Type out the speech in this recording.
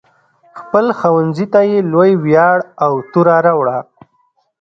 خپل ښوونځي ته یې لوی ویاړ او توره راوړه.